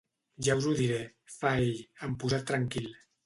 Ja us ho diré —fa ell, amb posat tranquil—.